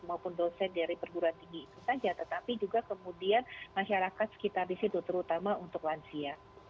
maupun dosen dari perguruan tinggi itu saja tetapi juga kemudian masyarakat sekitar di situ terutama untuk lansia